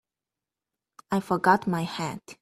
I forgot my hat.